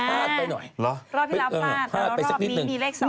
อ้าวรอบที่รับลาดแล้วรอบนี้มีเลข๒หรอ